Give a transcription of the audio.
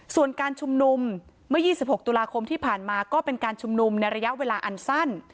ส่วนการชุมนุมเมื่อ๒๖ตุลาคมที่ผ่านมาก็เป็นการชุมนุมในระยะเวลาอันสั้น